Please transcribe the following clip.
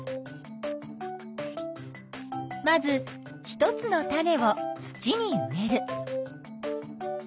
まず一つの種を土に植える。